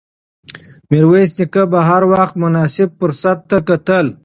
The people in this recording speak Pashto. میرویس نیکه به هر وخت مناسب فرصت ته کتل.